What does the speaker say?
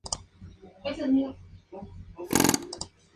Sus miembros habitan principalmente en la región Indomalaya.